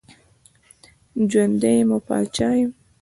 ژوندی یم او پاچا یم.